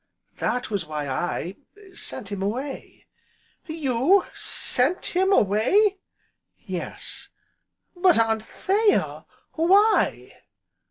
"That was why I sent him away." "You sent him away?" "Yes." "But Anthea why?"